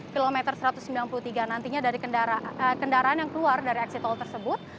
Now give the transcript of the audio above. kilometer satu ratus sembilan puluh tiga nantinya dari kendaraan yang keluar dari eksit tol tersebut